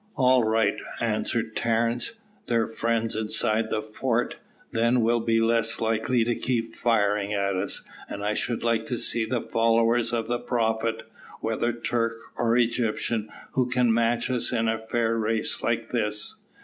"All right," answered Terence. "Their friends inside the fort, then, will be less likely to keep firing at us; and I should like to see the followers of the prophet, whether Turk or Egyptian, who can catch us in a fair race like this."